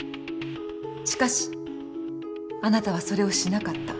しかしあなたはそれをしなかった。